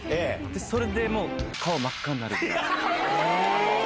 それでもう、顔真っ赤になるぐらえー！